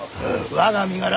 我が身柄